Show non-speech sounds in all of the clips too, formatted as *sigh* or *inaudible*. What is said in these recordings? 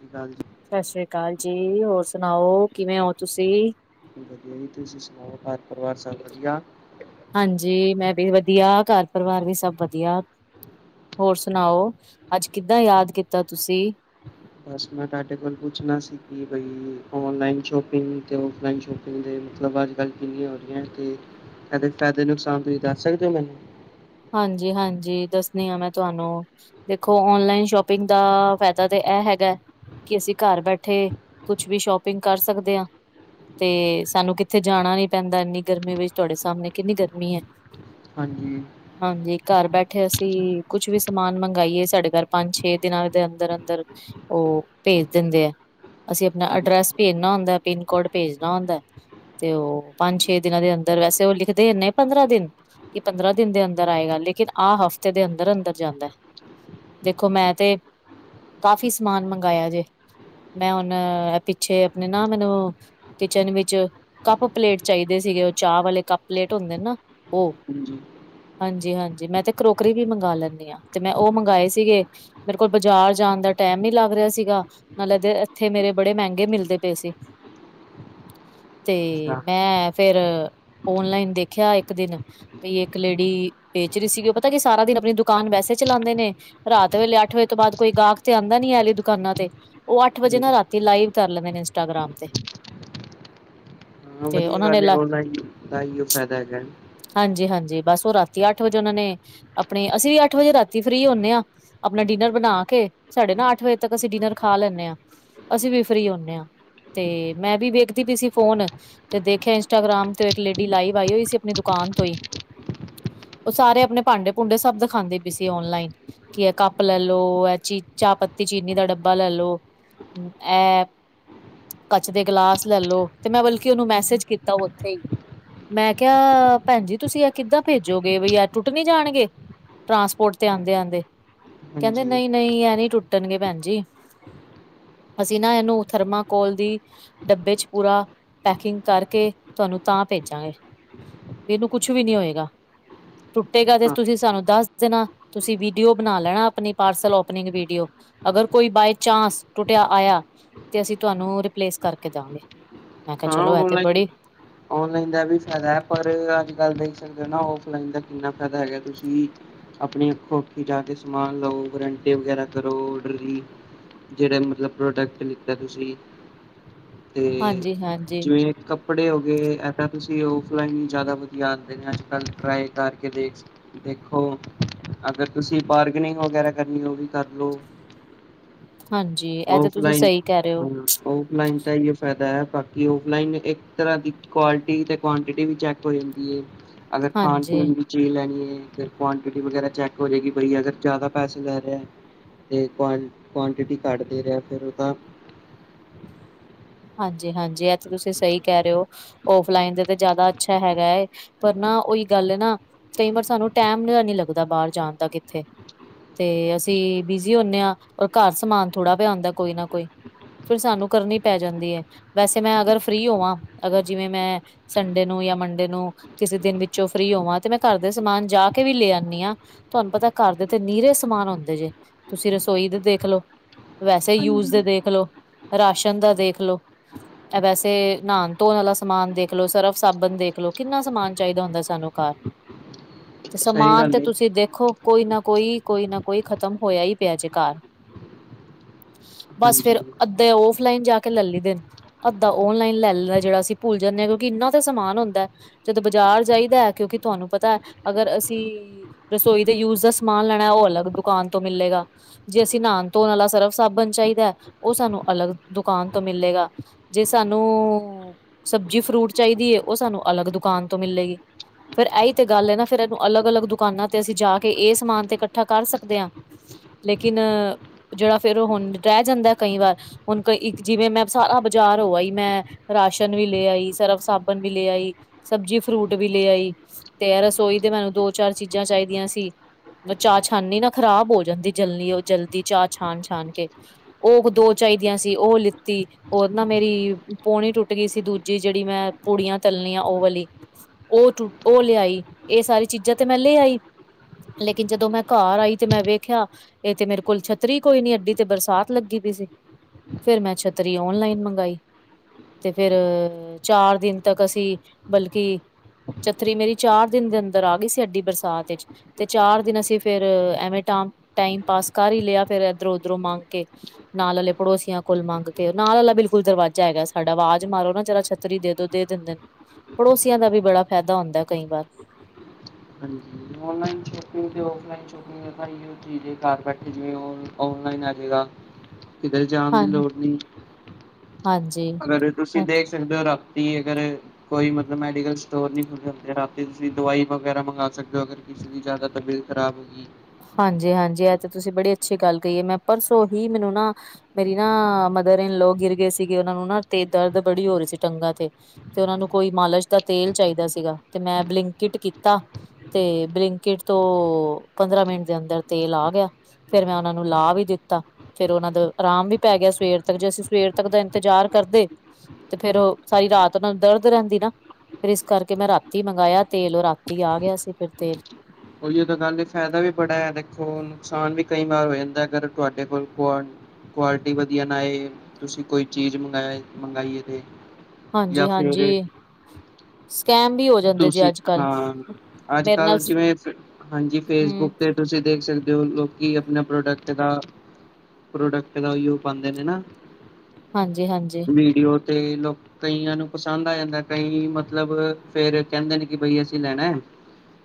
ਸਤਿ ਸ੍ਰੀ ਅਕਾਲ ਜੀ। ਸਤਿ ਸ੍ਰੀ ਅਕਾਲ ਜੀ ਹੋਰ ਸੁਣਾਓ ਕਿਵੇਂ ਹੋ ਤੁਸੀਂ? ਵਧੀਆ ਜੀ ਤੁਸੀਂ ਸੁਣਾਓ ਘਰ ਪਰਿਵਾਰ ਸਭ ਵਧੀਆ? ਹਾਂਜੀ ਮੈਂ ਵੀ ਵਧੀਆ ਘਰ ਪਰਿਵਾਰ ਵੀ ਸਭ ਵਧੀਆ। ਹੋਰ ਸੁਣਾਓ, ਅੱਜ ਕਿੱਦਾਂ ਯਾਦ ਕੀਤਾ ਤੁਸੀਂ? ਬਸ ਮੈਂ ਤਾਡੇ ਕੋਲ ਪੁੱਛਣਾ ਸੀ ਕਿ ਬਈ ਔਨਲਾਈਨ ਸ਼ੋਪਿੰਗ ਤੇ ਔਫਲਾਈਨ ਸ਼ੋਪਿੰਗ ਦੇ ਮਤਲਬ ਅੱਜ ਕੱਲ੍ਹ ਕਿੰਨੀਆਂ ਹੋ ਰਹੀਆਂ ਤੇ ਐਦੇ ਫਾਇਦੇ ਨੁਕਸਾਨ ਤੁਸੀਂ ਦੱਸ ਸਕਦੇ ਹੋ ਮੈਨੂੰ? ਹਾਂਜੀ ਹਾਂਜੀ ਦੱਸਦੀ ਹਾਂ ਮੈਂ ਤੁਹਾਨੂੰ। ਦੇਖੋ ਔਨਲਾਈਨ ਸ਼ੋਪਿੰਗ ਦਾ ਫਾਇਦਾ ਤੇ ਇਹ ਹੈਗਾ। ਕਿ ਅਸੀਂ ਘਰ ਬੈਠੇ ਕੁਛ ਵੀ ਸ਼ੋਪਿੰਗ ਕਰ ਸਕਦੇ ਆ। ਤੇ ਸਾਨੂੰ ਕਿੱਥੇ ਜਾਣਾ ਨੀ ਪੈਂਦਾ ਇੰਨੀ ਗਰਮੀ ਵਿੱਚ ਤੁਹਾਡੇ ਸਾਹਮਣੇ ਕਿੰਨੀ ਗਰਮੀ ਏ। ਹਾਂਜੀ ਹਾਂਜੀ ਘਰ ਬੈਠੇ ਅਸੀਂ ਕੁਛ ਵੀ ਸਮਾਨ ਮੰਗਾਈਏ ਸਾਡੇ ਘਰ ਪੰਜ- ਛੇ ਦਿਨਾਂ ਦੇ ਅੰਦਰ -ਅੰਦਰ ਉਹ ਭੇਜ ਦਿੰਦੇ ਐ। ਅਸੀਂ ਆਪਣਾ ਹਾਂਜੀ ਅਡਰੈਸ ਭੇਜਨਾ ਹੁੰਦਾ ਪਿੰਨ ਕੋਡ ਭੇਜਣਾ ਹੁੰਦਾ। ਤੇ ਉਹ ਪੰਜ- ਛੇ ਦਿਨਾਂ ਦੇ ਅੰਦਰ ਵੈਸੇ ਉਹ ਲਿਖਦੇ ਇਨੇ ਪੰਦਰਾਂ ਦਿਨ ਕਿ ਪੰਦਰਾਂ ਦਿਨ ਦੇ ਅੰਦਰ ਆਏਗਾ ਲੇਕਿਨ ਆਹ ਹਫ਼ਤੇ ਦੇ ਅੰਦਰ- ਅੰਦਰ ਜਾਂਦਾ। ਦੇਖੋ ਮੈਂ ਤੇ ਕਾਫੀ ਸਮਾਨ ਮੰਗਵਾਆ ਜੇ, ਮੈਂ ਉਹਨ ਪਿੱਛੇ ਆਪਣੇ ਨਾ ਮੈਨੂੰ ਕਿਚਨ ਵਿੱਚ ਕੱਪ ਪਲੇਟ ਚਾਹੀਦੇ ਸੀਗੇ ਉਹ ਚਾਹ ਵਾਲੇ ਕੱਪ ਪਲੇਟ ਹੁੰਦੇ ਨਾ ਉਹ- ਹਾਂਜੀ ਹਾਂਜੀ ਹਾਂਜੀ ਮੈਂ ਤੇ ਕਰੋਕਰੀ ਵੀ ਮੰਗ ਲੈਂਦੀ ਆ ਤੇ ਮੈਂ ਉਹ ਮੰਗਵਾਏ ਸੀਗੇ ਮੇਰੇ ਕੋਲ ਬਾਜ਼ਾਰ ਜਾਣ ਦਾ ਟਾਈਮ ਨੀ ਲੱਗ ਰਿਹਾ ਸੀਗਾ। ਨਾਲੇ ਦੇ ਇੱਥੇ ਮੇਰੇ ਬੜੇ ਮਹਿੰਗੇ ਮਿਲਦੇ ਪਏ ਸੀ। ਤੇ ਅੱਛਾ ਮੈਂ ਫੇਰ, ਓਨਲਾਈਨ ਦੇਖਿਆ ਇੱਕ ਦਿਨ ਵੀ ਇੱਕ ਲੇਡੀ, ਵੇਚ ਰਹੀ ਸੀਗੀ ਉਹ ਪਤਾ ਕੀ ਸਾਰਾ ਦਿਨ ਆਪਣੀ ਦੁਕਾਨ ਵੈਸੇ ਚਲਾਉਂਦੇ ਨੇ ਰਾਤ ਵੇਲੇ ਅੱਠ ਵਜੇ ਤੋਂ ਬਾਅਦ ਕੋਈ ਗਾਹਕ ਤੇ ਆਉਂਦਾ ਨੀ ਆਲੇ ਦੁਕਾਨਾਂ ਤੇ ਓ ਆੱਠ ਵਜੇ ਹਾਂਜੀ ਨਾ ਰਾਤੀ ਲਾਈਵ ਕਾਰ ਲੈਂਦੇ ਨੇ ਇੰਸਟਾਗ੍ਰਾਮ ਤੇ। ਤੇ ਵਦੀਆ ਉਹਨਾਂ ਨੇ ਗੱਲ ਏ, ਲ ਔਨਲਾਈਨ ਦਾ ਐਈਓ ਫ਼ੈਦਾ ਹੈਗਾ। ਹਾਂਜੀ-ਹਾਂਜੀ ਬਸ ਓ ਰਾਤੀ ਅੱਠ ਵਜੇ ਓਨਾਂ ਨੇ ਅਪਣੀ, ਅਸੀ ਵੀ ਅੱਠ ਵਜੇ ਰਾਤੀ ਫ੍ਰੀ ਹੋਨੇ ਆਂ। ਅਪਣਾ ਡਿਨਰ ਬਨਾ ਕੇ, ਸਾਡੇ ਨਾ ਅੱਠ ਵਜੇ ਤੱਕ ਅਸੀ ਡਿਨਰ ਖਾ ਲੈਂਨੇ ਆ। ਅਸੀ ਵੀ ਫ੍ਰੀ ਹੁਨੇ ਆਂ, ਤੇ ਮੈਂ ਵੀ ਵੇਖਦੀ ਪਈ ਸੀ ਫੋਨ ਤੇ ਦੇਖੇਆ ਇੰਸਟਾਗ੍ਰਾਮ ਤੇ ਇੱਕ ਲੇਡੀ ਲਾਈਵ ਆਈ ਹੋਈ ਸੀ, ਅਪਨੀ ਦੁਕਾਨ ਤੋ ਈ ਓ ਸਾਰੇ ਅਪਨੇ ਭਾਂਡੇ-ਭੂੰਡੇ ਸਬ ਦਖਾਂਦੀ ਪੀ ਸੀ ਔਨਲਾਈਨ ਕੀ ਐ ਕੱਪ ਲੈਲੋ, ਐ ਚੀ ਚਾਅ ਪੱਤੀ ਚੀਨੀ ਦਾ ਡੱਬਾ ਲੈਲੋ ਐ ਕੱਚ ਦੇ ਗਲਾਸ ਲੈਲੋ ਤੇ ਮੈਂ ਬਲਕਿ ਓਨੂੰ ਮੈਸੇਜ ਕੀਤਾ ਓਥੇ ਈ ਮੈਂ ਕੇਆ ਭੈਨ ਜੀ ਤੁਸੀਂ ਐ ਕਿੱਦਾਂ ਭੇਜੋਗੇ, ਬਈ ਐ ਟੁੱਟ ਨੀ ਜਾਣਗੇ। ਟਰਾਂਸਪੋਟ ਤੇ ਆਂਦੇ-ਆਂਦੇ। ਕਹਿੰਦੇ ਹਾਂਜੀ ਨਹੀਂ-ਨਹੀਂ, ਐ ਨੀ ਟੁੱਟਨਗੇ ਭੈਣ ਜੀ। ਅਸੀ ਨਾ ਐਨੂੰ ਥਰਮਾਕੋਲ ਦੀ ਡੱਬੇ 'ਚ ਪੂਰਾ ਪੈਕਿੰਗ ਕਾਰਕੇ ਤੂਆਨੂੰ ਤਾਂ ਭੇਜਾਂਗੇ। ਬੀ ਇਹਨੂੰ ਕੁੱਛ ਵੀ ਨੀ ਹੋਏਗਾ। ਟੁੱਟੇਗਾ ਤੇ ਹਾਂ ਤੂਸੀਂ ਸਾਨੂੰ ਦੱਸ ਦੇਨਾ। ਤੂਸੀ ਵੀਡੀਓ ਬਨਾ ਲੈਣਾ ਅਪਨੀ ਪਾਰਸਲ ਓਪਨਿੰਗ ਵੀਡੀਓ ਅਗਰ ਕੋਈ ਬਾਏ ਚਾਂਸ ਟੁੱਟੇਆ ਆਇਆ ਤੇ ਅਸੀ ਤੁਵਾਨੂੰ ਰਿਪਲੇਸ ਕਰਕੇ ਦਾਂਗੇ। ਮੈਂ ਕਿਹਾ ਹਾਂ ਚਲੋ ਇਹ ਤੇ ਔਨਲਾਈਨ ਬੜੀ ਔਨਲਾਈਨ ਦਾ ਵੀ ਫ਼ੈਦਾ ਐ ਪਰ, ਅੱਜ-ਕੱਲ੍ਹ ਦੇਖ ਸਕਦੇ ਓ ਨਾ, ਔਫਲਾਈਨ ਦਾ ਕਿੰਨਾ ਫੈਦਾ ਹੈਗਾ। ਤੂਸੀ ਅਪਣੀ ਅੱਖੋ-ਅੱਖੀ ਜਾ ਕੇ ਸਮਾਨ ਲਓ। ਗਰੰਟੀ ਵਗੈਰਾ ਕਰੋ, ਔਡਰਲੀ ਜਿਹੜੇ ਮਤਲਬ ਪ੍ਰੋਡਕਟ ਲਿੱਤੇ ਤੁਸੀਂ ਤੇ ਹਾਂਜੀ ਹਾਂਜੀ। ਜਿਵੇਂ ਕੱਪੜੇ ਹੋ ਗਏ, ਐਤਾਂ ਤੂਸੀ ਔਫਲਾਈਨ ਜਾਦਾ ਵਦੀਆ ਆਂਦੇ ਨੇ ਅੱਜ-ਕੱਲ੍ਹ ਟਰਾਈ ਕਾਰਕੇ ਦੇਖ ਸਕਦੇ ਦੇਖੋ, ਅਗਰ ਤੂਸੀ ਬਾਰਗਨਿੰਗ ਵਗੈਰਾ ਕਰਨੀ, ਓ ਵੀ ਕਰ ਲੋ। ਹਾਂਜੀ, ਐ ਤੇ ਤੁਸੀਂ ਸਈ ਕੈਹ ਰੇ ਓ। ਹਾਂ, ਔਫਲਾਈਨ ਤਾਂ ਐਈਓ ਫੈਦਾ ਐ, ਬਾਕੀ ਓਫਲਾਇਨ ਇੱਕ ਤਰਾਂ ਦੀ ਕੁਆਲਿਟੀ ਤੇ ਕੁਆਂਟਿਟੀ ਵੀ ਚੈੱਕ ਹੋ ਜਾਂਦੀ ਏ, ਅਗਰ ਹਾਂਜੀ ਖਾਨ-ਪੀਨ ਦੀ ਚੀਜ ਲੈਣੀ ਐ, ਫੇਰ ਕੁਆਂਟਿਟੀ ਵਗੈਰਾ ਚੈੱਕ ਹੋਜੇਗੀ, ਬਈ ਅਗਰ ਜ਼ਿਆਦਾ ਪੈਸੇ ਲੈਰੇਆ ਤੇ ਕੁਆਂ ਕੁਆਂਟਿਟੀ ਘਾਟ ਦੇ ਰੇਆ, ਫੇਰ ਓ ਤਾਂ ਹਾਂਜੀ-ਹਾਂਜੀ, ਐ ਤੇ ਤੁਸੀਂ ਸਈ ਕਹਿ ਰੇ ਓ। ਔਫਲਾਈਨ ਤੇ-ਤੇ ਜ਼ਾਦਾ ਅੱਛਾ ਹੈਗਾ ਏ, ਪਰ ਨਾ ਓਈ ਗੱਲ ਨਾ ਕਈ ਵਾਰ ਸਾਨੂੰ ਟੈਮ ਜਿਹਾ ਨੀ ਲੱਗਦਾ, ਬਾਰ ਜਾਨ ਦਾ ਕਿੱਥੇ। ਤੇ ਅਸੀ ਬਿਜ਼ੀ ਹੋਨੇ ਆਂ, ਔਰ ਘਾਰ ਸਮਾਨ ਥੂੜਾ ਪੇਆ ਹੋਂਦਾ ਕੋਈ ਨਾ ਕੋਈ। ਫਿਰ ਸਾਨੂੰ ਕਰਨੀ ਪੈ ਜਾਂਦੀ ਐ। ਵੈਸੇ ਮੈਂ ਅਗਰ ਫ੍ਰੀ ਹੋਵਾਂ, ਅਗਰ ਜਿਵੇਂ ਮੈਂ ਸੰਡੇ ਨੂੰ ਯਾ ਮੰਡੇ ਨੂੰ ਕਿਸੇ ਦਿਨ ਵਿੱਚੋਂ ਫ੍ਰੀ ਹੋਵਾਂ ਤੇ ਮੈਂ ਘਾਰ ਦੇ ਸਮਾਨ ਜਾਕੇ ਵੀ ਲੇਆੱਨੀ ਆਂ। ਤੂਆਨੂੰ ਪਤੈ ਘਾਰ ਦੇ ਤੇ ਨੀਰੇ ਸਮਾਨ ਹੋਂਦੇ ਜੇ, ਤੂਸੀ ਰਸੋਈ ਦੇ ਦੇਖ ਲੋ ਵੈਸੇ ਯੂਜ਼ ਦੇ ਦੇਖ ਲੋ, ਰਾਸ਼ਨ ਦਾ ਦੇਖ ਲੋ ਐ ਵੈਸੇ ਨ੍ਹਾਨ-ਧੋਨ ਆਲਾ ਸਮਾਨ ਦੇਖ ਲੋ, ਸਰਫ਼ ਸਾਬੱਨ ਦੇਖ ਲੋ, ਕਿੰਨਾ ਸਮਾਨ ਚਾਈਦਾ ਹੁੰਦਾ ਸਾਨੂੰ ਘਾਰ। ਤੇ ਸਹੀ ਸਮਾਨ ਗੱਲ ਤੇ ਏ, ਤੂਸੀ ਦੇਖੋ ਕੋਈ ਨਾ ਕੋਈ, ਕੋਈ ਨਾ ਕੋਈ, ਖਤਮ ਹੋਏਆ ਈ ਪੇਆ ਜੇ ਘਾਰ। ਬੱਸ ਫੇਰ, ਹਾਂਜੀ। ਅੱਧੇ ਓਫਲਾਈਨ ਜਾ ਕੇ ਲੈਲੀ ਦੇ ਨੇ। ਅੱਧਾ ਔਨਲਾਈਨ ਲੈ ਲੀਦੇ ਜੇੜਾ ਅਸੀ ਭੁੱਲ ਜਾਂਨੇ ਆਂ, ਕਿਉਂਕਿ ਇੰਨਾ ਤੇ ਸਮਾਨ ਹੁੰਦਾ। ਜਦੋ ਬਜ਼ਾਰ ਜਾਈਦੈ ਕਿਉਂਕਿ ਤੂਆਨੂੰ ਪਤੈ ਅਗਰ ਅਸੀ ਰਸੋਈ ਦੇ ਯੂਜ਼ ਦਾ ਸਮਾਨ ਲੈਣਾ, ਓ ਅਲਗ ਦੁਕਾਨ ਤੋ ਮਿਲੇਗਾ। ਜੇ ਅਸੀ ਨ੍ਹਾਨ-ਧੋਨ ਆਲਾ ਸਰਫ਼ ਸਾਬਨ ਚਾਈਦੈ, ਓ ਸਾਨੂੰ ਅਲਗ ਦੁਕਾਨ ਤੋ ਮਿਲੇਗਾ ਜੇ ਸਾਨੂੰ ਸਬਜ਼ੀ, ਫਰੂਟ ਚਾਈਦੀ ਏ ਓ ਸਾਨੂੰ ਅਲਗ ਦੁਕਾਨ ਤੋ ਮਿਲੇਗੀ। ਫੇਰ ਐਈ ਤੇ ਗਲ ਏ ਨਾ, ਫੇਰ ਐਨੂੰ ਅਲਗ, ਅਲਗ ਦੁਕਾਨਾਂ ਤੇ ਅਸੀ ਜਾ ਕੇ, ਏ ਸਮਾਨ ਤੇ ਕੱਠਾ ਕਰ ਸਕਦੇ ਆਂ। ਲੇਕਿਨ ਜੇੜਾ ਫੇਰ ਹੁਨ ਰੈ ਜਾਂਦੈ ਕਈ ਵਾਰ ਹੁਣ ਕ ਇੱਕ ਜਿਵੇਂ ਮੈਂ ਸਾਰਾ ਬਾਜ਼ਾਰ ਹੋ ਆਈ ਮੈਂ, ਰਾਸ਼ਨ ਵੀ ਲੈ ਆਈ ਸਰਫ ਸਾਬਣ ਵੀ ਲੈ ਆਈ ਸਬਜ਼ੀ ਫਰੂਟ ਵੀ ਲੈ ਆਈ, ਤੇ ਰਸੋਈ ਦੇ ਮੈਨੂੰ ਦੋ ਚਾਰ ਚੀਜ਼ਾਂ ਚਾਹੀਦੀਆਂ ਸੀ। ਚਾਹ ਛਾਨਨੀ ਨਾ ਖ਼ਰਾਬ ਹੋ ਜਾਂਦੀ ਜਲਨੀ ਉਹ ਜਲਦੀ ਚਾਹ ਛਾਣ ਛਾਣ ਕੇ, ਉਹ ਕੂ ਦੋ ਚਾਹੀਦੀਆਂ ਸੀ ਉਹ ਲਿੱਤੀ, ਉਹ ਨਾ ਮੇਰੀ ਪੋਣੀ ਟੁੱਟ ਗਈ ਸੀ ਦੂਜੀ ਜਿਹੜੀ ਮੈਂ ਪੂੜੀਆਂ ਤਲਣੀ ਆਂ ਉਹ ਵਾਲੀ, ਉਹ ਟੁ ਉਹ ਲਿਆਈ ਇਹ ਸਾਰੀ ਚੀਜ਼ਾਂ ਤੇ ਮੈਂ ਲੈ ਆਈ ਲੇਕਿਨ ਜਦੋਂ ਮੈਂ ਘਰ ਆਈ ਤੇ ਮੈਂ ਵੇਖਿਆ, ਇਹ ਤੇ ਮੇਰੇ ਕੋਲ ਛੱਤਰੀ ਕੋਈ ਨੀ ਐਡੀ ਤੇ ਬਰਸਾਤ ਲੱਗੀ ਪਈ ਸੀ। ਫਿਰ ਮੈਂ ਛੱਤਰੀ ਓਨਲਾਈਨ ਮੰਗਾਈ, ਤੇ ਫੇਰ ਚਾਰ ਦਿਨ ਤੱਕ ਅਸੀਂ ਬਲਕਿ, ਛਤਰੀ ਮੇਰੀ ਚਾਰ ਦਿਨ ਦੇ ਅੰਦਰ ਆ ਗਈ ਸੀ, ਐਡੀ ਬਰਸਾਤ ਇਚ, ਤੇ ਚਾਰ ਦਿਨ ਅਸੀਂ ਫੇਰ ਐਵੇਂ ਟ ਟਾਈਮ ਪਾਸ ਕਰ ਹੀ ਲਿਆ ਫਿਰ ਇੱਧਰੋਂ ਉਧਰੋਂ ਮੰਗ ਕੇ, ਨਾਲ ਅਲੇ ਪੜੋਸੀਆਂ ਕੋਲ ਮੰਗ ਕੇ ਨਾਲ ਅਲਾ ਬਿਲਕੁਲ ਦਰਵਾਜ਼ਾ ਹੈਗਾ ਸਾਡਾ ਆਵਾਜ਼ ਮਾਰੋ ਨਾ ਜਰਾ ਛੱਤਰੀ ਦੇ ਦੋ ਦੇ ਦਿੰਦੇ ਨੇ, ਪੜੋਸੀਆਂ ਦਾ ਵੀ ਬੜਾ ਫ਼ਾਇਦਾ ਹੁੰਦਾ ਕਈ ਵਾਰ, ਹਾਂਜੀ, ਔਨਲਾਈਨ ਸ਼ੋਪਿੰਗ ਅਤੇ ਔਫਲਾਈਨ ਸ਼ੋਪਿੰਗ ਦੇ ਤਾਂ ਇਹੋ ਚੀਜ਼ ਹੈ ਘਰ ਬੈਠੇ ਜਿਵੇਂ ਔ ਔਨਲਾਈਨ ਆ ਜਾਵੇਗਾ। ਹ *unintelligible* ਕਿੱਧਰੇ ਜਾਣ ਦੀ ਲੋੜ ਨਹੀਂ। ਹਾਂਜੀ ਅਗਰ ਤੁਸੀਂ ਦੇਖ ਸਕਦੇ ਹੋ ਰਾਤੀ ਅਗਰ, ਕੋਈ ਮਤਲਬ ਮੈਡੀਕਲ ਸਟੋਰ ਨੀ ਖੁੱਲੇ ਹੁੰਦੇ ਰਾਤੀ ਤੁਸੀਂ ਦਵਾਈ ਵਗੈਰਾ ਮੰਗਾ ਸਕਦੇ ਹੋ ਅਗਰ, ਕਿਸੇ ਦੀ ਜ਼ਿਆਦਾ ਤਬੀਅਤ ਖਰਾਬ ਹੋ ਗਈ, ਹਾਂਜੀ, ਹਾਂਜੀ ਇਹ ਤਾਂ ਤੁਸੀਂ ਬੜੀ ਅੱਛੀ ਗੱਲ ਕਹੀਏ ਮੈਂ ਪਰਸੋਂ ਹੀ ਮੈਨੂੰ ਨਾ, ਮੇਰੀ ਨਾ ਮਦਰ ਇਨਲੋ ਗਿਰ ਗਏ ਸੀਗੇ ਉਹਨਾਂ ਨੂੰ ਨਾ ਤੇ ਦਰਦ ਬੜੀ ਹੋ ਰਹੀ ਸੀ ਟੰਗਾਂ ਤੇ, ਤੇ ਉਹਨਾਂ ਨੂੰ ਕੋਈ ਮਾਲਸ਼ ਦਾ ਤੇਲ ਚਾਹੀਦਾ ਸੀਗਾ ਤੇ ਮੈਂ ਬਲਿੰਕਿਟ ਕੀਤਾ, ਤੇ ਬਲਿੰਕਿਟ ਤੋਂ ਪੰਦਰਾਂ ਮਿੰਟ ਦੇ ਅੰਦਰ ਤੇਲ ਆ ਗਿਆ। ਫੇਰ ਮੈਂ ਉਹਨਾ ਨੂੰ ਲਾ ਵੀ ਦਿੱਤਾ। ਫਿਰ ਉਹਨਾਂ ਦਾ ਆਰਾਮ ਵੀ ਪੈ ਗਿਆ ਸਵੇਰ ਤੱਕ ਜੇ ਅਸੀਂ ਸਵੇਰ ਤੱਕ ਦਾ ਇੰਤਜ਼ਾਰ ਕਰਦੇ ਤੇ ਫਿਰ ਉਹ ਸਾਰੀ ਰਾਤ ਉਹਨਾ ਨੂੰ ਦਰਦ ਰਹਿੰਦੀ ਨਾ, ਫਿਰ ਇਸ ਕਰਕੇ ਮੈਂ ਰਾਤੀ ਮੰਗਾਇਆ ਤੇਲ ਉਹ ਰਾਤੀ ਆ ਗਿਆ ਸੀ ਫਿਰ ਤੇਲ, ੳਇੳ ਤਾਂ ਗੱਲ ਏ ਫਾਇਦਾ ਵੀ ਬੜਾ ਹੈ ਦੇਖੋ ਨੁਕਸਾਨ ਵੀ ਕਈ ਵਾਰ ਹੋ ਜਾਂਦਾ ਅਗਰ ਤੁਹਾਡੇ ਕੋਲ,,, ਕੁਆਲਿਟੀ ਵਧੀਆ ਨਾਏ ਤੁਸੀਂ ਕੋਈ ਚੀਜ਼ ਮੰਗਵਾ ਮੰਗਾਈਏ ਤੇ, ਹਾਂਜੀ, ਜਾਂ ਫਿਰ ਹਾਂਜੀ। ਤੁਸੀਂ ਹਾਂ ਅੱਜ ਮੇਰੇ ਕੱਲ ਨਾਲ ਜਿਵੇਂ ਹਾਂਜੀ ਫੇਸਬੁੱਕ ਹੂੰ ਤੇ, ਤੁਸੀਂ ਦੇਖ ਸਕਦੇ ਹੋ ਲੋਕੀ ਆਪਣਾ ਪ੍ਰੋਡਕਟ ਦਾ, ਪ੍ਰੋਡਕਟ ਦਾ ੳਇੳ ਪਾਉਂਦੇ ਨੇ ਨਾ, ਹਾਂਜੀ, ਹਾਂਜੀ। ਵੀਡੀਓ ਤੇ ਲੋਕ ਕਈਆਂ ਨੂੰ ਪਸੰਦ ਆ ਜਾਂਦਾ ਕਈ ਮਤਲਬ, ਫੇਰ ਕਹਿੰਦੇ ਨੇ ਕਿ ਬਈ ਅਸੀਂ ਲੈਣਾ ਹੈ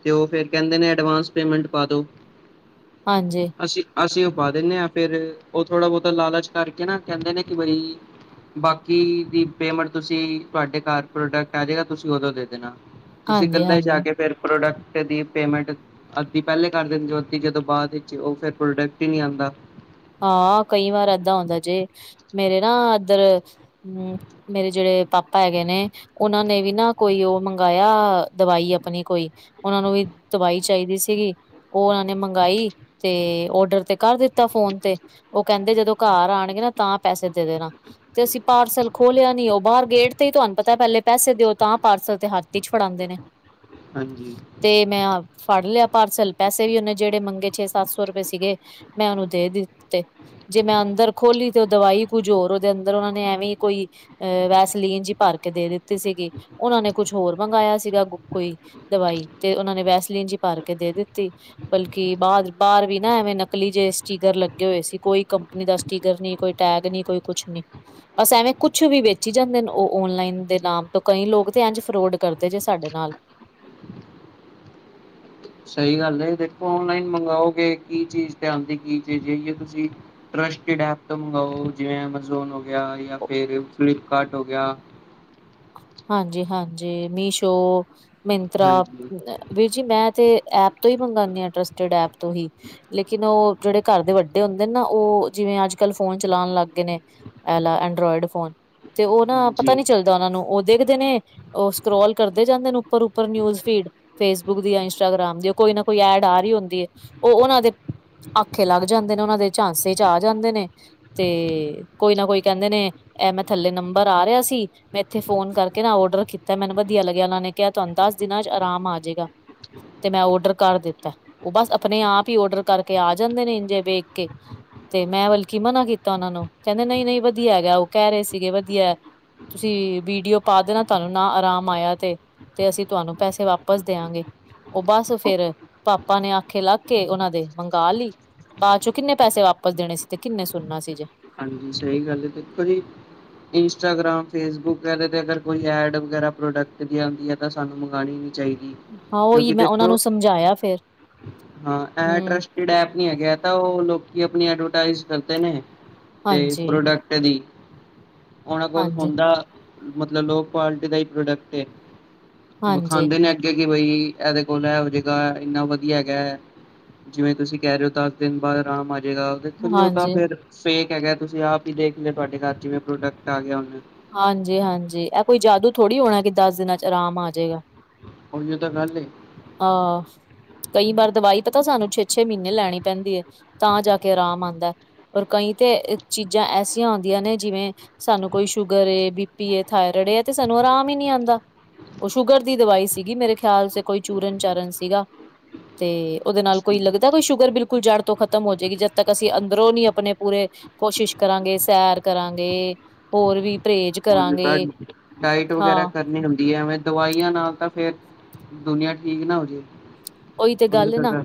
ਤੇ ਉਹ ਫੇਰ ਕਹਿੰਦੇ ਨੇ ਐਡਵਾਂਸ ਪੇਮੈਂਟ ਪਾ ਦੋ, ਹਾਂਜੀ। ਅਸੀਂ ਅਸੀਂ ਉਹ ਪਾ ਦਿੰਦੇ ਆ, ਫਿਰ ਉਹ ਥੋੜ੍ਹਾ ਬਹੁਤਾ ਲਾਲਚ ਕਰਕੇ ਨਾ ਕਹਿੰਦੇ ਨੇ ਕਿ ਬਈ, ਬਾਕੀ ਦੀ ਪੇਮੈਂਟ ਤੁਸੀਂ, ਤੁਹਾਡੇ ਘਰ ਪ੍ਰੋਡਕਟ ਆਜੇਗਾ ਤੁਸੀਂ ਉਦੋਂ ਦੇ ਦੇਣਾ ਤੁਸੀਂ ਹਾਂਜੀ ਕਲਾ ਹੀ ਜਾ ਆ ਹਾਂਜੀ ਕੇ ਫਿਰ ਪ੍ਰੋਡਕਟ ਦੀ ਪੇਮੈਂਟ ਅੱਧੀ ਪਹਿਲੇ ਕਰ ਦਿੰਦੇ ਓ, ਅੱਧੀ ਜਦੋਂ ਬਾਅਦ ਵਿੱਚ ਉਹ ਫਿਰ ਪ੍ਰੋਡਕਟ ਹੀ ਨੀ ਆਂਦਾ। ਹਾਂ, ਕਈ ਵਾਰ ਏਦਾਂ ਆਉਂਦਾ ਜੇ, ਮੇਰੇ ਨਾ ਇੱਧਰ ਹਮ ਮੇਰੇ ਜਿਹੜੇ ਪਾਪਾ ਹੈਗੇ ਨੇ, ਉਹਨਾਂ ਨੇ ਵੀ ਨਾ ਕੋਈ ਉਹ ਮੰਗਾਇਆ, ਦਵਾਈ ਆਪਣੀ ਕੋਈ। ਉਹਨਾਂ ਨੂੰ ਵੀ ਦਵਾਈ ਚਾਹੀਦੀ ਸੀਗੀ। ਉਹਨਾਂ ਨੇ ਮੰਗਾਈ ਤੇ ਔਡਰ ਤੇ ਕਰ ਦਿੱਤਾ ਫੋਨ। ਤੇ ਉਹ ਕਹਿੰਦੇ ਜਦੋਂ ਘਰ ਆਣਗੇ ਨਾ ਤਾਂ ਪੈਸੇ ਦੇ ਦੇਣਾ। ਤੇ ਅਸੀਂ ਪਾਰਸਲ ਖੋਲਿਆ ਨੀ, ਉਹ ਬਾਹਰ ਗੇਟ ਤੇ ਹੀ ਤੁਹਾਨੂੰ ਪਤਾ ਪਹਿਲੇ ਪੈਸੇ ਦਿਓ ਤਾਂ ਪਾਰਸਲ ਤੇ ਹੱਥ ਹੀ ਵਿੱਚ ਫੜਾਂਦੇ ਦੇ ਨੇ। *unintelligible* ਹਾਂਜੀ। ਤੇ ਮੈਂ ਫੜ ਲਿਆ ਪਾਰਸਲ, ਪੈਸੇ ਵੀ ਉਹਨੇ ਜਿਹੜੇ ਮੰਗੇ ਛੇ, ਸੱਤ ਸੌ ਰੁਪਏ ਸੀਗੇ, ਮੈਂ ਉਹਨੂੰ ਦੇ ਦਿ ਤੇ, ਜੇ ਮੈਂ ਅੰਦਰ ਖੋਲੀ ਤੇ ਉਹ ਦਵਾਈ ਕੁਝ ਹੋਰ ਉਹਦੇ ਅੰਦਰ ਉਹਨਾ ਨੇ ਐਵੇਂ ਕੋਈ ਅਹ ਵੈਸਲੀਨ ਜੀ ਭਰ ਕੇ ਦੇ ਦਿੱਤੀ ਸੀਗੀ, ਉਹਨਾਂ ਨੇ ਕੁਛ ਹੋਰ ਮੰਗਾਇਆ ਸੀਗਾ ਕੋਈ ਦਵਾਈ ਤੇ ਉਹਨਾਂ ਨੇ ਵੈਸਲੀਨ ਜੀ ਭਰ ਕੇ ਦੇ ਦਿੱਤੀ। ਬਲਕਿ ਬਾਹਰ, ਬਾਹਰ ਵੀ ਨਾ ਐਵੇਂ ਨਕਲੀ ਜਿਹੇ ਸਟੀਕਰ ਲੱ ਗੇ ਹੋਏ ਸੀ, ਕੋਈ ਕੰਪਨੀ ਦਾ ਸਟੀਕਰਸ ਨੀ, ਕੋਈ ਟੈਗ ਨੀ, ਕੋਈ ਕੁਛ ਨੀ। ਬਸ ਐਵੇਂ ਕੁਛ ਵੀ ਵੇਚੀ ਜਾਂਦੇ ਨੇ ਉਹ ਔਨਲਾਈਨ ਦੇ ਨਾਮ ਤੋਂ, ਕਈ ਲੋਕ ਤੇ ਇਂਝ ਫਰੋਡ ਕਰਦੇ ਜੇ ਸਾਡੇ ਨਾਲ। ਸਹੀ ਗੱਲ ਏ, ਦੇਖੋ ਓਨਲਾਈਨ ਮੰਗਾਓਗੇ ਕੀ ਚੀਜ਼ ਤੇ ਆਂਦੀ, ਕੀ ਚੀਜ ਤੁਸੀਂ ਟਰਸਟਡ ਐਪ ਤੋਂ ਮੰਗਵਾਓ, ਜਿਵੇਂ ਐਮਾਜ਼ੋਨ ਹੋ ਗਿਆ, ਫਿਰ ਫਲਿਪਕਾਰਟ ਹੋ ਗਿਆ। ਹਾਂਜੀ, ਹਾਂਜੀ। ਮੀਸ਼ੋ, ਮਿੰਤਰਾ ਹਾਂਜੀ ਵੀਰ ਜੀ ਮੈਂ ਤੇ ਐਪ ਤੋਂ ਹੀ ਮੰਗਾਨੀ ਆ, ਟਰਸਟਡ ਐਪ ਤੋਂ ਹੀ। ਲੇਕਿਨ ਉਹ ਜਿਹੜੇ ਘਰ ਦੇ ਵੱਡੇ ਹੁੰਦੇ ਨਾ, ਉਹ ਜਿਵੇਂ ਅੱਜ -ਕੱਲ ਫੋਨ ਚਲਾਣ ਲੱਗ ਗਏ ਨੇ। ਐਲਾ ਐਂਡਰਇਡ ਫੋਨ ਤੇ ਉਹ ਨਾ ਪਤਾ ਹਾਂਜੀ ਨੀ ਚੱਲਦਾ ਉਹਨਾਂ ਨੂੰ ਦੇਖਦੇ ਨੇ, ਉਹ ਸਕਰੋਲ ਕਰਦੇ ਜਾਂਦੇ ਨੇ ਉੱਪਰ -ਉੱਪਰ ਨਿਊਜ਼ ਫੀਡ। ਫੇਸਬੁੱਕ ਦੀ ਜਾਂ ਇੰਸਟਾਗ੍ਰਾਮ ਦੀ ਕੋਈ ਨਾ ਕੋਈ ਐਡ ਆ ਰਹੀ ਹੁੰਦੀ ਏ, ਉਹ ਉਹਨਾਂ ਦੇ ਆਖੇ ਲੱਗ ਜਾਂਦੇ ਨੇ, ਉਹਨਾਂ ਦੇ ਝਾਂਸੇ ਚ ਆ ਜਾਂਦੇ ਨੇ। ਤੇ ਕੋਈ ਨਾ ਕੋਈ ਕਹਿੰਦੇ ਨੇ, ਇਹ ਮੈਂ ਥੱਲੇ ਨੰਬਰ ਆ ਰਿਹਾ ਸੀ ਮੈਂ ਇੱਥੇ ਫੋਨ ਕਰਕੇ ਨਾ ਔਡਰ ਕੀਤਾ ਮੈਨੂੰ ਵਧੀਆ ਲੱਗਿਆ ਉਹਨਾਂ ਨੇ ਕਿਹਾ ਤੁਹਾਨੂੰ ਦਸ ਦਿਨਾਂ ਚ ਆਰਾਮ ਆ ਜੇਗਾ। ਤੇ ਮੈਂ ਓਡਰ ਕਰ ਦਿੱਤਾ। ਉਹ ਬਸ ਆਪਣੇ ਆਪ ਹੀ ਓਡਰ ਕਰਕੇ ਆ ਜਾਂਦੇ ਨੇ ਇੰਜੇ ਵੇਖ ਕੇ। ਤੇ ਮੈਂ ਬਲਕੀ ਮਨਾ ਕੀਤਾ ਉਹਨਾਂ ਨੂੰ, ਕਹਿੰਦੇ ਨਹੀਂ -ਨਹੀਂ ਵਧੀਆ ਹੈਗਾ, ਉਹ ਕਹਿ ਰਹੇ ਸੀਗੇ ਵਧੀਆ। ਤੁਸੀਂ ਵੀਡੀਓ, ਪਾ ਦੇਣਾ ਤੁਹਾਨੂੰ ਨਾ ਆਰਾਮ ਆਇਆ ਤੇ। ਤੇ ਅਸੀਂ ਤੁਹਾਨੂੰ ਪੈਸੇ ਵਾਪਸ ਦਿਆਂਗੇ। ਉਹ ਬਸ ਫੇਰ ਪਾਪਾ ਨੇ ਆਖੇ ਲੱਗ ਕੇ ਉਹਨਾਂ ਦੇ, ਮੰਗਾ ਲਈ। ਬਾਅਦ ਚੋਂ ਕਿੰਨੇ ਪੈਸੇ ਵਾਪਸ ਦੇਣੇ ਸੀ ਤੇ ਕਿੰਨੇ ਸੁਣਨਾ ਸੀ ਜੇ। ਹਾਂਜੀ, ਸਹੀ ਗੱਲ ਦੇਖੋ ਜੀ, ਇੰਸਟਾਗਰਾਮ, ਫੇਸਬੁੱਕ ਇਹਦੇ ਤੇ ਅਗਰ ਕੋਈ ਐਡ ਵਗੈਰਾ ਪ੍ਰੋਡਕਟ ਦੀ ਆਂਦੀ ਹੈ ਤਾਂ ਸਾਨੂੰ ਮੰਗਾਣੀ ਨਹੀਂ ਚਾਹੀਦੀ। ਹਾਂ ਉਹੀ ਕਿਉਂਕਿ ਮੈਂ ਉਹਨਾਂ ਦੇਖੋ ਨੂੰ ਸਮਝਾਇਆ ਫੇਰ ਹਾਂ ਐ ਹੂੰ ਟਰਸ ਟਡ ਐਪ ਨਹੀਂ ਹੈਗਾ ਏ ਤਾਂ ਉਹ ਲੋਕੀ ਅਪਣੀ ਐਡਵਰਟਾਈਜ਼ ਕਰਦੇ ਨੇ। ਤੇ ਹਾਂਜੀ ਪ੍ਰੋਡਕਟ ਦੀ, ਓਹਨਾਂ ਕੋਲ ਹਾਂਜੀ ਹੁੰਦਾ, ਮਤਲਬ ਲੋ ਕੁਆਲਿਟੀ ਦਾ ਹੀ ਪ੍ਰੋਡਕਟ, ਹਾਂਜੀ ਵਖਾਂਦੇ ਨੇ। ਕਿ ਬਈ ਇਹਦੇ ਕੋਲ ਇਹੋ ਜੇਗਾ ਇੰਨਾ ਵਧੀਆ ਹੈਗਾ। ਜਿਵੇਂ ਤੁਸੀਂ ਕਹਿ ਰਹੇ ਹੋ ਦਸ ਦਿਨ ਬਾਅਦ ਆਰਾਮ ਆ ਜਾਏਗਾ। ਦੇਖੋ ਜੀ ਉਹ ਤਾਂ ਹਾਂਜੀ ਫੇਰ ਫੇਕ ਹੈਗਾ ਤੁਸੀਂ ਆਪ ਹੀ ਦੇਖ ਲੋ ਤੁਹਾਡੇ ਘਰ ਚਿਵੇਂ ਪ੍ਰੋਡਕਟ ਆ ਗਿਆ ਹੁਣ। ਹਾਂਜੀ- ਹਾਂਜੀ ਇਹ ਕੋਈ ਜਾਦੂ ਥੋੜੀ ਹੋਣਾ ਕਿ ਦਸ ਦਿਨਾਂ ਚ ਆਰਾਮ ਆ ਜਾਏਗਾ। ਓਹੀ ਔ ਤਾਂ ਗਲ ਏ। ਹਾ ਕਈ ਵਾਰ ਦਵਾਈ ਪਤਾ ਸਾਨੂੰ ਛੇ- ਛੇ ਮਹੀਨੇ ਲੈਣੀ ਪੈਂਦੀ ਹੈ, ਤਾਂ ਜਾ ਕੇ ਆਰਾਮ ਆਂਦਾ ਐ। ਪਰ ਕਈ ਤੇ ਚੀਜ਼ਾਂ ਐਸੀਆਂ ਹੁੰਦੀਆ ਨੇ ਜਿਵੇਂ ਸਾਨੂੰ ਕੋਈ ਸ਼ੂਗਰ ਏ, ਬੀਪੀ ਏ, ਥਾਇਰੋਇਡ ਏ, ਇਹ ਤੇ ਸਾਨੂੰ ਆਰਾਮ ਹੀ ਨੀ ਆਉਂਦਾ। ਉਹ ਸ਼ੂਗਰ ਦੀ ਦਵਾਈ ਸੀਗੀ ਮੇਰੇ ਖਿਆਲ ਚ ਕੋਈ ਚੂਰਨ- ਚਾਰਨ ਸੀਗਾ। ਤੇ ਉਹਦੇ ਨਾਲ ਕੋਈ ਲੱਗਦਾ ਕੋਈ ਸ਼ੂਗਰ ਬਿਲਕੁਲ ਜੜ ਤੋਂ ਖ਼ਤਮ ਹੋ ਜਾਏਗੀ ਜਦ ਤੱਕ ਅਸੀਂ ਅੰਦਰੋਂ ਨੀ ਆਪਣੇ ਪੂਰੇ ਕੋਸ਼ਿਸ਼ ਕਰਾਂਗੇ, ਸੈਰ ਕਰਾਂਗੇ, ਹੋਰ ਵੀ ਪਰਹੇਜ਼ ਕਰਾਂਗੇ ਡਾਇਟ ਵਗੈਰਾ ਹਾਂ ਕਰਨੀ ਹੁੰਦੀ ਹੈ ਦਵਾਈਆਂ ਨਾਲ ਤਾਂ ਫੇਰ ਦੁਨੀਆਂ ਠੀਕ ਨਾ ਹੋ ਜਾਏ। ਉਹੀ ਤੇ ਗੱਲ ਐ ਨਾ,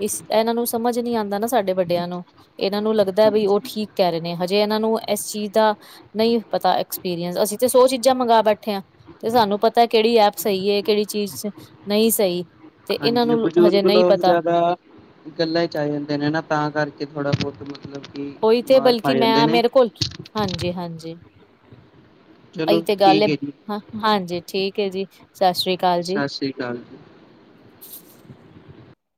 ਇਸ ਇਹਨਾਂ ਨੂੰ ਸਮਝ ਨੀ ਆਉਂਦਾ ਨਾ ਸਾਡੇ ਵੱਡਿਆਂ ਨੂੰ। ਇਹਨਾਂ ਨੂੰ ਲੱਗਦਾ ਵੀ ਉਹ ਹਾਂਜੀ ਠੀਕ ਕਹਿ ਰਹੇ ਨੇ ਹਜੇ ਇਹਨਾਂ ਨੂੰ ਇਸ ਚੀਜ਼ ਦਾ, ਨਹੀਂ ਪਤਾ ਐਕਸਪੀਰੀਅੰਸ, ਅਸੀਂ ਤੇ ਸੋ ਚੀਜ਼ਾਂ ਮੰਗਵਾ ਬੈਠੇ ਹਾਂ। ਤੇ ਸਾਨੂੰ ਪਤਾ ਕਿਹੜੀ ਐਪ ਸਹੀ ਐ ਕਿਹੜੀ ਚੀਜ਼ ਨਹੀਂ ਸਹੀ। ਤੇ ਇਹਨਾਂ ਹਾਂਜੀ ਨੂੰ ਹਜੇ ਬਜ਼ੁਰਗ ਨਹੀਂ ਲੋਕ ਪਤਾ ਜ਼ਿਆਦਾ। ਗੱਲਾਂ ਚ ਆ ਜਾਂਦੇ ਨੇ ਨਾ ਤਾਂ ਕਰਕੇ ਥੋੜਾ ਬਹੁਤ ਮਤਲਬ ਕਿ ਉਹੀ ਤੇ ਮਾਰ ਬਲਕਿ ਖਾ ਜਾਂਦੇ ਮੈਂ ਨੇ ਮੇਰੇ ਕੋਲ, ਹਾਂਜੀ- ਹਾਂਜੀ। ਚਲੋ ਇਹੀ ਤੇ ਗੱਲ ਠੀਕ ਜੀ ਹੈ, ਹਾਂਜੀ ਠੀਕ ਹੈ ਜੀ ਸਤਿ ਸ੍ਰੀ ਅਕਾਲ। ਜੀ ਸਤਿ ਸ਼੍ਰੀ ਅਕਾਲ ਜੀ।